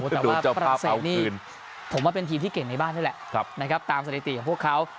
แต่ว่าเจ้าฝรั่งเศสนี่ผมว่าเป็นทีมที่เก่งในบ้านนี่แหละนะครับตามสถิติของพวกเขา